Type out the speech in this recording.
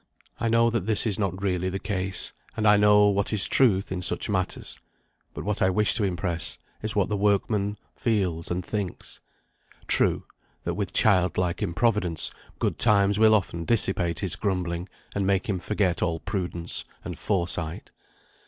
I know that this is not really the case; and I know what is the truth in such matters: but what I wish to impress is what the workman feels and thinks. True, that with child like improvidence, good times will often dissipate his grumbling, and make him forget all prudence and foresight.